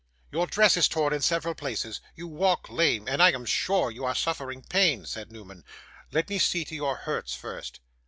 'Your dress is torn in several places; you walk lame, and I am sure you are suffering pain,' said Newman. 'Let me see to your hurts first.